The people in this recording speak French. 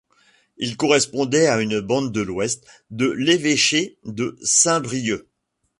Il correspondait à une bande de l'ouest de l'évêché de Saint-Brieuc.